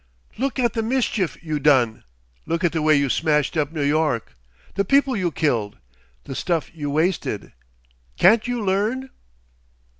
"Look at the mischief you done! Look at the way you smashed up New York the people you killed, the stuff you wasted. Can't you learn?"